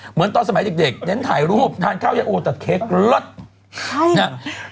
เหมือนตอนสมัยเด็กเน้นถ่ายรูปทานข้าวยาโอแต่เค้กเลิศนะ